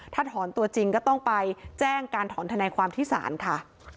ถ้าถอนตัวจริงก็ต้องไปแจ้งการถอนทนายความที่ศาลค่ะ